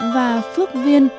và phước viên